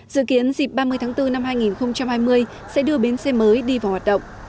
dự kiến dịp ba mươi tháng bốn năm hai nghìn hai mươi sẽ đưa bến xe mới đi vào hoạt động